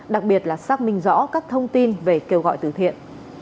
đặc biệt là xác minh rõ các thông tin về kêu gọi từ thiện